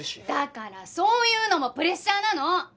だからそういうのもプレッシャーなの！